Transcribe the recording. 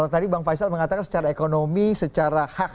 nah kalau tadi bang faisal mengatakan secara ekonomi secara hak hak negara